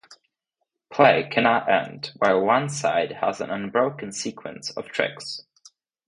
Play cannot end while one side has an unbroken sequence of tricks.